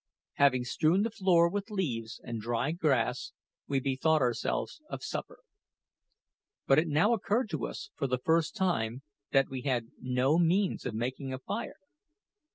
Having strewed the floor with leaves and dry grass, we bethought ourselves of supper. But it now occurred to us, for the first time, that we had no means of making a fire.